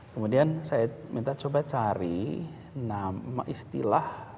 kemudian saya minta coba cari nama istilah